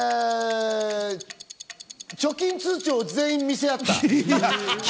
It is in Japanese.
貯金通帳を全員で見せ合った。